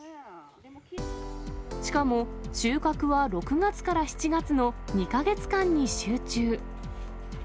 しかも収穫は６月から７月の２か月間に集中。